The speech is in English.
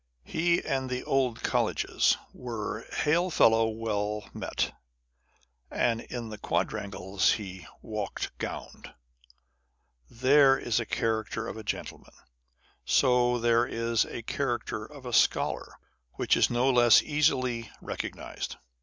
He and the old colleges were " hail fellow well met ;" and in the quadrangles, he " walked gowned." There is a character of a gentleman ; so there is a character of a scholar, which is no less easily recognised.